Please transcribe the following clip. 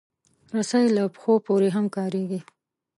رسۍ له پښو پورې هم کارېږي.